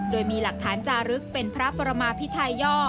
โดยมีหลักฐานจารึกเป็นพระประมาพิทัยย่อ